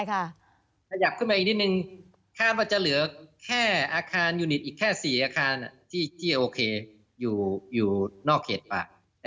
ย่าขึ้นไปอีกนิดนึงคาดว่าจะเหลืออาคารอีกแค่๔อาคารที่โอเคอยู่นอกเขตป่ะ